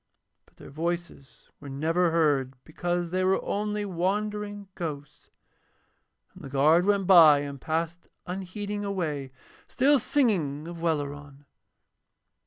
But their voices were never heard because they were only wandering ghosts. And the guard went by and passed unheeding away, still singing of Welleran.